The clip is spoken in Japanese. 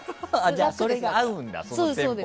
じゃあ、そのテンポが合うんだ。